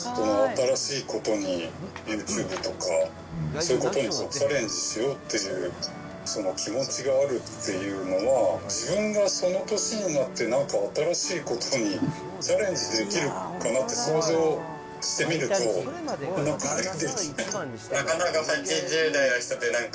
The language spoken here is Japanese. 新しいことに、ユーチューブとか、そういうことにチャレンジしようっていうその気持ちがあるっていうのが、自分がその年になってなんか新しいことにチャレンジできるかなって、想像してみると、なかなかできない。